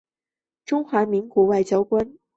中华民国外交官。